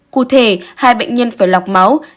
cụ thể hai bệnh nhân phải lọc máu